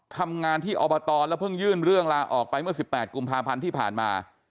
ทำงานที่อบตแล้วเพิ่งยื่นเรื่องลาออกไปเมื่อ๑๘กุมภาพันธ์ที่ผ่านมา